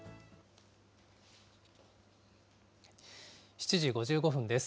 ７時５５分です。